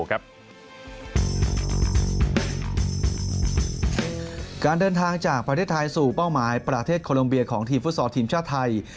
การเดินทางจากประเทศไทยสู่เป้าหมายประเทศโคลมเบียของทีมฟุตซอลทีมชาติไทย